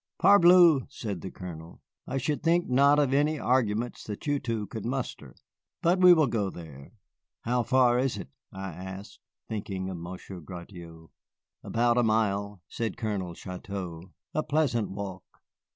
"Parbleu," said the Colonel, "I should think not for any arguments that you two could muster. But we will go there." "How far is it?" I asked, thinking of Monsieur Gratiot. "About a mile," said Colonel Chouteau, "a pleasant walk."